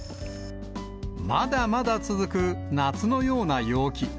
まだまだ続く夏のような陽気。